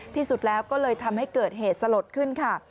ที่สุดแล้วก็เลยทำให้เกิดเหตุสลดขึ้นค่ะ